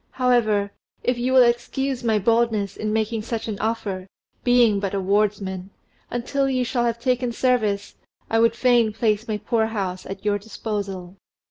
"However, if you will excuse my boldness in making such an offer, being but a wardsman, until you shall have taken service I would fain place my poor house at your disposal."